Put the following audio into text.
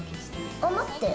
あっ、待って？